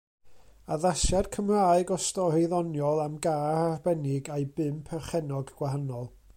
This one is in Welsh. Addasiad Cymraeg o stori ddoniol am gar arbennig a'i bum perchennog gwahanol.